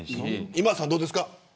今田さん、どうですか。